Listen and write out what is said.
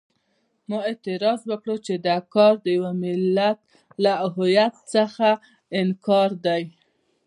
ما اعتراض وکړ چې دا کار د یوه ملت له هویت څخه انکار دی.